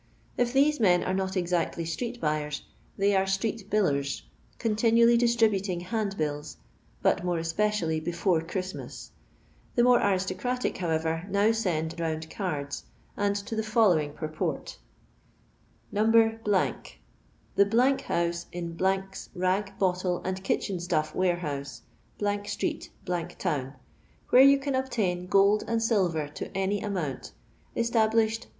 If these men are not exactly street buyers, they are stteet billers, continimlly distributing hand bills, but more especially before Christmas. The more aristocratic, however, now send round cards, and to the following purport :— No. ^^*^ No. THE HOUSE IS 'S RAQ, BUTTLE, AND KITCHEN STUFF WAKEIIOUSE, STREKT, TOWN, Where you can obtain Gold and Silver to any amount. ESTABLISHED